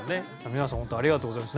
皆さんホントありがとうございます。